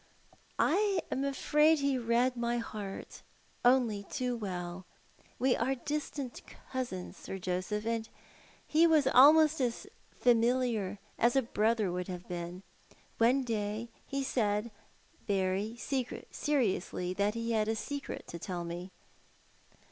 "I am afraid he read my heart on ' too we h We are distant cousins. Sir Joseph, and he' wlalmost asfamiiar as a brother would have been. One day hlsaid verv seriously that he had a secret to tell me.